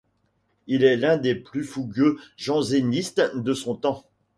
Il est l'un des plus fougueux jansénistes de son temps.